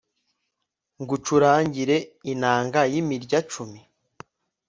ngucurangire inanga y'imirya cumi